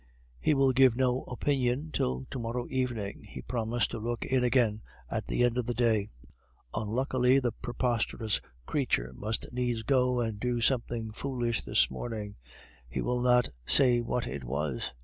"He will give no opinion till to morrow evening. He promised to look in again at the end of the day. Unluckily, the preposterous creature must needs go and do something foolish this morning; he will not say what it was.